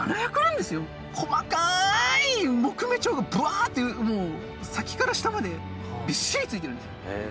細かい木目調がぶわってもう先から下までびっしり付いてるんですよ。